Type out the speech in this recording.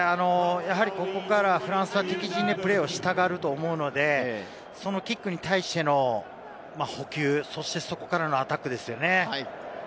ここからフランスは敵陣でプレーをしたがると思うので、そのキックに対しての捕球、そしてそこからのアタックですね。